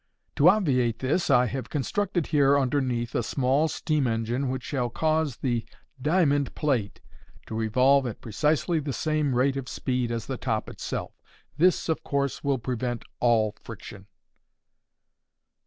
To obviate this, I have constructed here, underneath, a small steam engine which shall cause the diamond plate to revolve at precisely the same rate of speed as the top itself. This, of course, will prevent all friction."